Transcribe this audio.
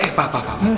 eh eh pak pak